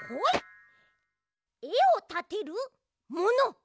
えをたてるもの！